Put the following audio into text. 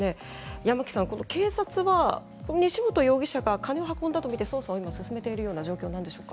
山木さん、警察はこの西本容疑者が金を運んだとみて捜査を進めているという状況なんでしょうか。